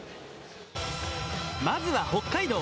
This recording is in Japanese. まずは北海道。